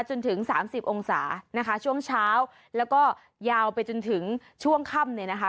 จนถึงสามสิบองศานะคะช่วงเช้าแล้วก็ยาวไปจนถึงช่วงค่ำเนี่ยนะคะ